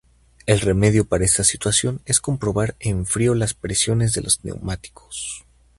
El remedio para esta situación es comprobar en frío las presiones de los neumáticos.